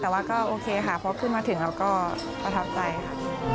แต่ว่าก็โอเคค่ะพอขึ้นมาถึงเราก็ประทับใจค่ะ